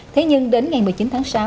thế nhưng đến ngày một mươi chín tháng sáu